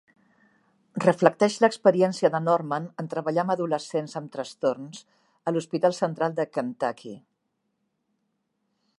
Reflecteix l'experiència de Norman en treballar amb adolescents amb trastorns a l'hospital central de Kentucky.